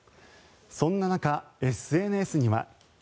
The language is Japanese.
そんな中、ＳＮＳには。